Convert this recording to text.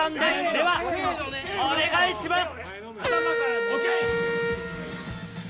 では、お願いします。